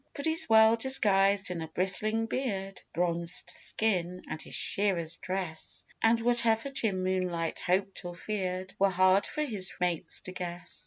But he's well disguised in a bristling beard, Bronzed skin, and his shearer's dress; And whatever Jim Moonlight hoped or feared Were hard for his mates to guess.